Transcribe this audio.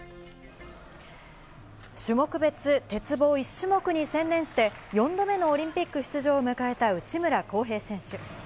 種目別鉄棒、１種目に専念して４度目のオリンピック出場を迎えた内村航平選手。